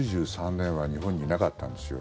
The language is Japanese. ９３年は日本にいなかったんですよ。